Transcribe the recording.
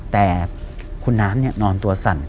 แต่คุณน้ำนอนตัวสั่น